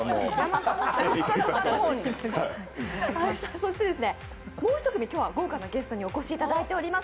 そしてもう一つ、今日は豪華なゲストの方にお越しいただいています。